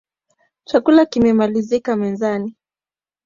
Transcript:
Chakula kimemalizika mezani